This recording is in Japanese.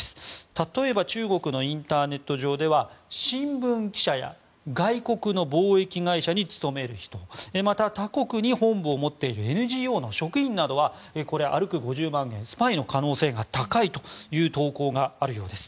例えば中国のインターネット上では新聞記者や外国の貿易会社に勤める人また他国に本部を持っているＮＧＯの職員などはこれ、歩く５０万元スパイの可能性が高いという投稿があるようです。